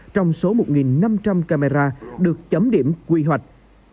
trong số một năm trăm linh camera được chấm điểm quy hoạch